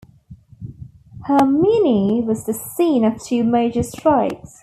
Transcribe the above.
Herminie was the scene of two major strikes.